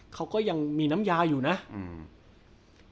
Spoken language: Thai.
เขาก็ยังมีน้ำยาอยู่นะอืม